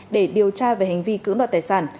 để điều tra về hành vi cưỡng đoạt tài sản